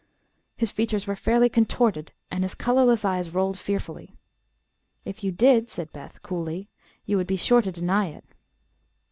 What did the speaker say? His features were fairly contorted, and his colorless eyes rolled fearfully. "If you did," said Beth, coolly, "you would be sure to deny it."